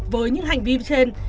với những hành vi trên